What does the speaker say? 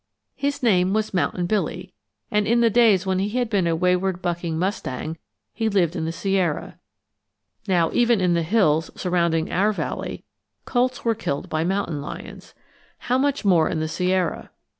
His name was Mountain Billy, and in the days when he had been a wayward bucking mustang he lived in the Sierra. Now, even in the hills surrounding our valley, colts were killed by mountain lions. How much more in the Sierra.